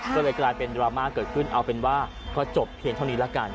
ก็เลยกลายเป็นดราม่าเกิดขึ้นเอาเป็นว่าก็จบเพียงเท่านี้ละกัน